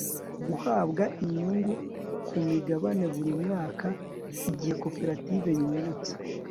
guhabwa inyungu ku migabane buri mwaka igihe koperative yungutse